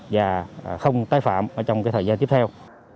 và không tái phạm trong thời gian tiếp theo